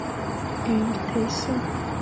Ibi biteye isoni.